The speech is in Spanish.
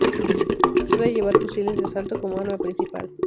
Suele llevar fusiles de asalto como arma principal.